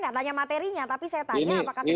tidak tanya materinya tapi saya tanya apakah sudah